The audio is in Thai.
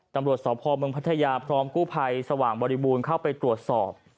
ตำรวจสพเมืองพัทยาพร้อมกู้ภัยสว่างบริบูรณ์เข้าไปตรวจสอบ